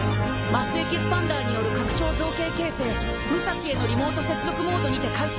泪・エキスパンダーによる拡張造形形成爛汽靴悗リモート接続モードにて開始。